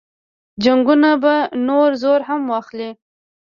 جنګونه به نور زور هم واخلي.